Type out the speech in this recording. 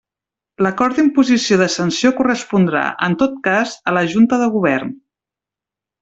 L'acord d'imposició de sanció correspondrà, en tot cas, a la Junta de Govern.